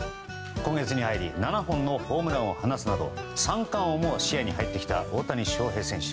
今月に入り７本のホームランを放つなど三冠王も視野に入ってきた大谷翔平選手。